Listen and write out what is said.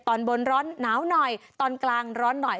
ตอนบนร้อนหนาวหน่อยตอนกลางร้อนหน่อย